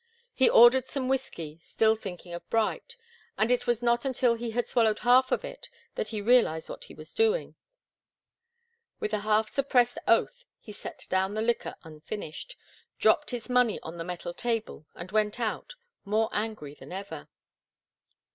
He ordered some whiskey, still thinking of Bright, and it was not until he had swallowed half of it that he realized what he was doing. With a half suppressed oath he set down the liquor unfinished, dropped his money on the metal table and went out, more angry than ever.